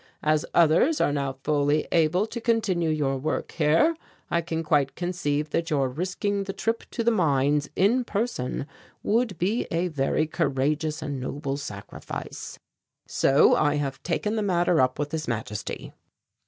As others are now fully able to continue your work here, I can quite conceive that your risking the trip to the mines in person would be a very courageous and noble sacrifice. So I have taken the matter up with His Majesty."